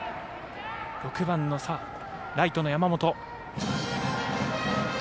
６番のサード、ライトの山本。